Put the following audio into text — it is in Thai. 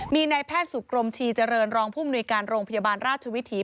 มีในแพทย์สุขรมชีเจริญรองค์ภูมิหน่วยการโรงพยาบาลราชวิตี